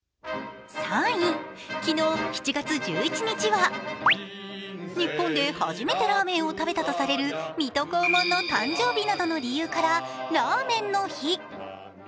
昨日７月１１日は日本で初めてラーメンを食べたとされる水戸黄門の誕生日などからラーメンの日。